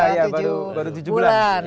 iya baru tujuh bulan